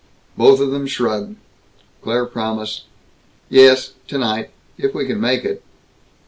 Both of them shrugged. Claire promised, "Yes. Tonight. If we can make it."